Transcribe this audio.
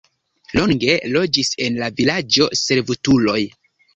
Longe loĝis en la vilaĝo servutuloj.